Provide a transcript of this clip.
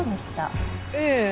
ええ。